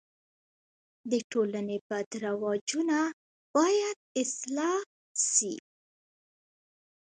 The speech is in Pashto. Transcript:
د ټولني بد رواجونه باید اصلاح سي.